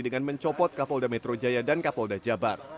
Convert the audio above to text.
dengan mencopot kapolda metro jaya dan kapolda jabar